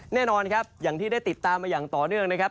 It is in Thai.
แน่นอนครับอย่างที่ได้ติดตามมาอย่างต่อเนื่องนะครับ